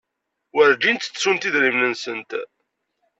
Werjin ttettunt idrimen-nsent.